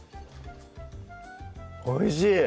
おいしい！